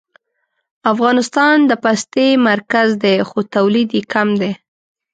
افغانستان د پستې مرکز دی خو تولید یې کم دی